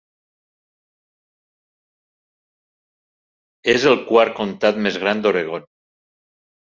És el quart comtat més gran d'Oregon.